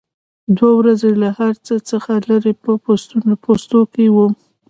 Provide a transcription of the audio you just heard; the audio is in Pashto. دوه ورځې له هر څه څخه لرې په پوستو کې وم.